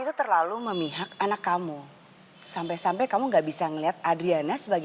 harus hormat sama adriana